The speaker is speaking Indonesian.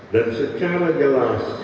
dan secara jelas